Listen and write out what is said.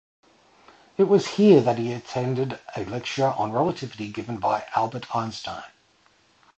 It was here that he attended a lecture on relativity given by Albert Einstein.